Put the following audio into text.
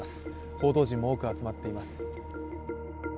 報道陣も多く集まっています。